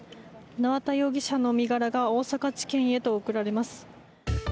縄田容疑者の身柄が大阪地検へと送られます。